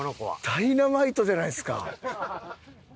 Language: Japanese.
ダイナマイトじゃないですか。